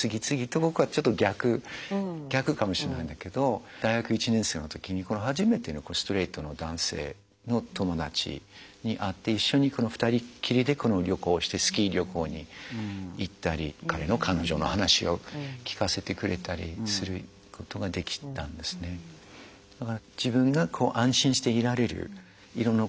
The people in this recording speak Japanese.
僕はちょっと逆逆かもしれないんだけど大学１年生の時に初めてストレートの男性の友達に会って一緒に２人っきりで旅行してスキー旅行に行ったり彼の彼女の話を聞かせてくれたりすることができたんですね。というふうに今も思いますし。